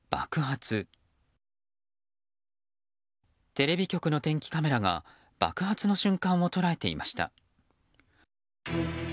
テレビ局の天気カメラが爆発の瞬間を捉えていました。